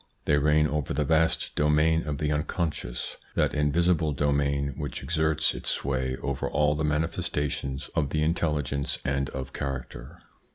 They reign over the vast domain of the unconscious, that invisible domain which exerts its sway over all the manifesta tions of the intelligence and of character.